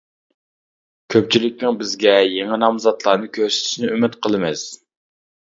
كۆپچىلىكنىڭ بىزگە يېڭى نامزاتلارنى كۆرسىتىشىنى ئۈمىد قىلىمىز!